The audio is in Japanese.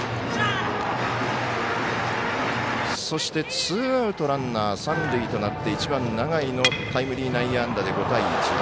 そして、ツーアウトランナー、三塁となって１番、永井のタイムリー内野安打で５対１。